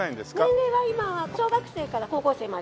年齢は今は小学生から高校生まで。